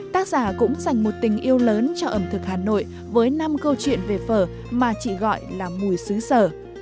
tác giả cũng dành một tình yêu lớn cho ẩm thực hà nội với năm câu chuyện về phở mà chị gọi là mùi xứ sở